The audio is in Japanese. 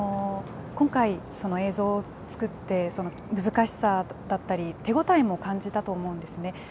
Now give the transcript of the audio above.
今回、その映像を作って、難しさだったり、手応えも感じたと思うんですね。